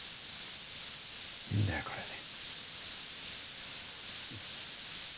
いいんだよこれで。